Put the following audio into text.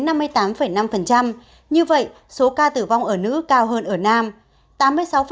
như vậy số ca tử vong ở nữ cao hơn ở nam